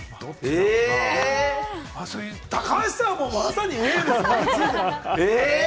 高橋さんはまさにＡですもんね。